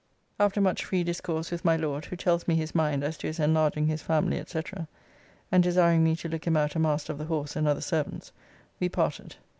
After much free discourse with my Lord, who tells me his mind as to his enlarging his family, &c., and desiring me to look him out a Master of the Horse and other servants, we parted.